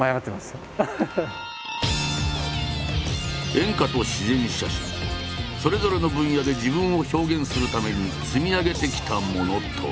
それぞれの分野で自分を表現するために積み上げてきたものとは。